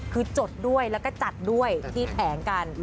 คือจดด้วยแล้วก็จัดด้วยที่แผงกัน